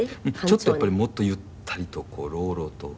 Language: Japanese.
ちょっとやっぱりもっとゆったりと朗々と。